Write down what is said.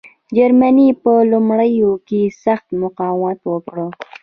جرمني په لومړیو کې سخت مقاومت وکړ.